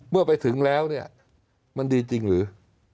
เมื่อไปถึงแล้วเนี่ยมันดีจริงหรือ